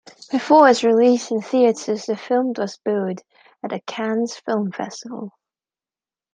Before its release in theatres, the film was booed at the Cannes film festival.